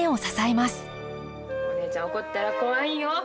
お姉ちゃん怒ったら怖いんよ。